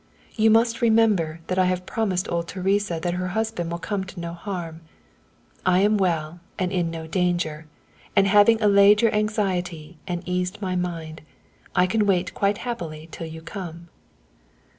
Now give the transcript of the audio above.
You must remember that I have promised old Teresa that her husband will come to no harm ... I am well and in no danger, and having allayed your anxiety and eased my mind, I can wait quite happily till you come....